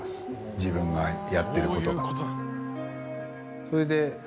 自分がやってることが。